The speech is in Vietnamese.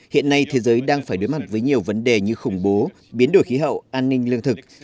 hiện nay thế giới đang phải đối mặt với nhiều vấn đề như khủng bố biến đổi khí hậu an ninh lương thực